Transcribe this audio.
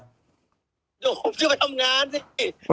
เดี๋ยวผมจะไปทำงานสิ